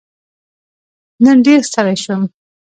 نن ډېر ستړی شوم